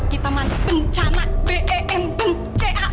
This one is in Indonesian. simpan liat langganan aku di facebook